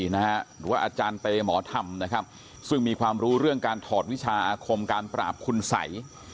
หรือว่าอาจารย์เตหมอธรรมนะครับซึ่งมีความรู้เรื่องการถอดวิชาอาคมการปราบคุณสัย